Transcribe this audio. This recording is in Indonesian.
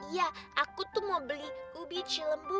ya aku tuh mau beli ubi cilembu